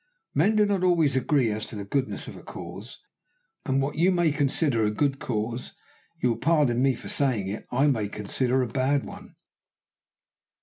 Men do not always agree as to the goodness of a cause, and what you may consider a good cause, you will pardon me for saying it, I may consider a bad one."